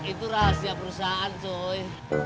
itu rahasia perusahaan cuy